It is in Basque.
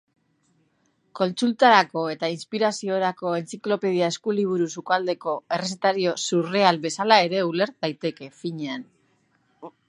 Kontsultarako eta inspiraziorako entziklopedia-eskuliburu-sukaldeko errezetario surreal bezala ere uler daiteke, finean.